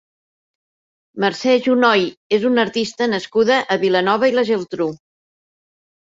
Mercé Junoy és una artista nascuda a Vilanova i la Geltrú.